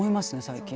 最近。